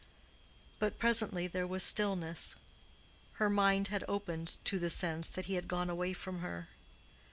But presently there was stillness. Her mind had opened to the sense that he had gone away from her.